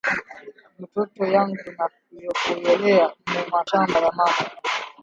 Mutoto yangu ana koyolea mu mashamba ya mama